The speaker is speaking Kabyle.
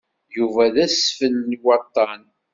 Yuba d asfel iwatan.